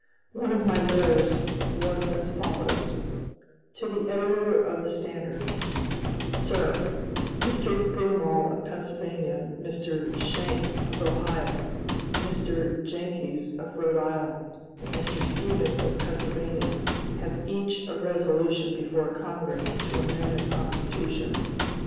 One of my letters was as follows: "To the Editor of the Standard: "Sir: Mr. Broomall of Pennsylvania, Mr. Schenck of Ohio, Mr. Jenckes of Rhode Island, and Mr. Stevens of Pennsylvania, have each a resolution before Congress to amend the Constitution.